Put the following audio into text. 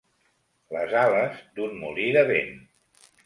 Les ales d'un molí de vent.